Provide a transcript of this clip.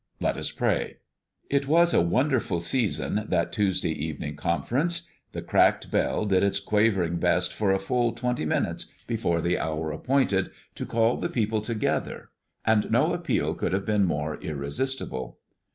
Let us pray." It was a wonderful "season," that Tuesday evening conference. The cracked bell did its quavering best for a full twenty minutes before the hour appointed, to call the people together; and no appeal could have been more irresistible.